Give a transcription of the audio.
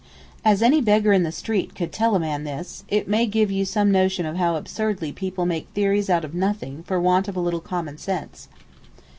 As any beggar in the street could tell a man this, it may give you some notion of how absurdly people make theories out of nothing for want of a little commonsense.